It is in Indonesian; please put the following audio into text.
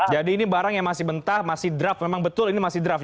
jadi ini barang yang masih mentah masih draft memang betul ini masih draft